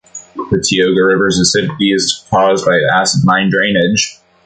The Tioga River's acidity is caused by acid mine drainage.